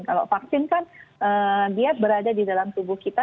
kalau vaksin kan dia berada di dalam tubuh kita